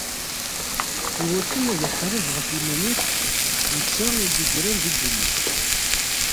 Iwakken ad iḥareb ɣef yiman-is, netta d-iggran di ddunit.